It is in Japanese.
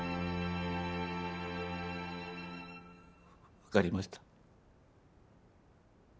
わかりました。